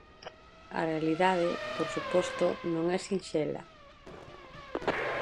A realidade, por suposto, non é sinxela.